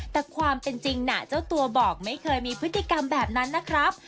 แต่ความเป็นจริงน่ะเจ้าตัวบอกไม่เคยมีพฤติกรรมแบบนั้นนะครับ